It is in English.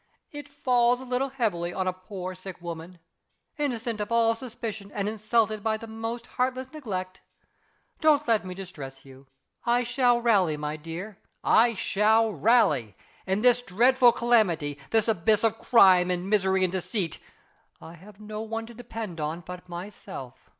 "It falls a little heavily on a poor sick woman innocent of all suspicion, and insulted by the most heartless neglect. Don't let me distress you. I shall rally, my dear; I shall rally! In this dreadful calamity this abyss of crime and misery and deceit I have no one to depend on but myself.